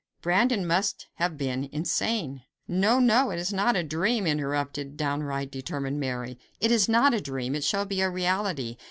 Brandon must have been insane! "No! no! It is not a dream," interrupted downright, determined Mary; "it is not a dream; it shall be a reality.